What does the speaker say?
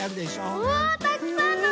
うわたくさんのはっぱ！